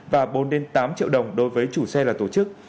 và bốn tám triệu đồng đối với chủ xe là tổ chức